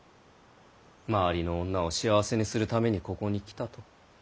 周りの女を幸せにするためにここに来たと。